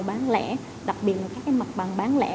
bán lẻ đặc biệt là các mặt bàn bán lẻ